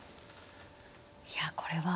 いやこれは。